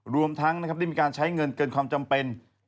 รวมทั้งได้มีการใช้เงินเกินความจำเป็น